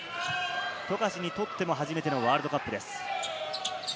富樫にとっても初めてのワールドカップです。